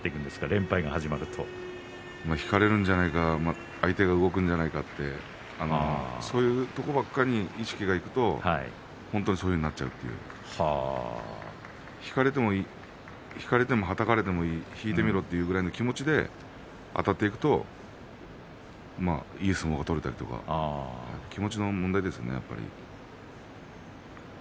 連敗が始まると。引かれるんじゃないか相手が動くんじゃないかとそういうところに意識がいくとそうなっちゃうと引かれても、はたかれても引いてみろという気持ちであたっていくといい相撲が取れたりとか気持ちの問題ですね、やっぱり。